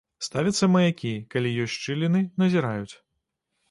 Ставяцца маякі, калі ёсць шчыліны, назіраюць.